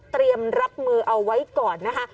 เตรียมรับมือเอาไว้ก่อนนะคะ